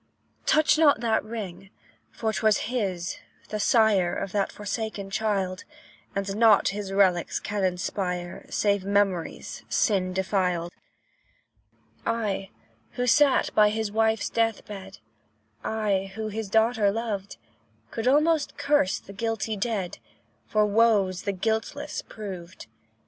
Touch not that ring; 'twas his, the sire Of that forsaken child; And nought his relics can inspire Save memories, sin defiled. I, who sat by his wife's death bed, I, who his daughter loved, Could almost curse the guilty dead, For woes the guiltless proved.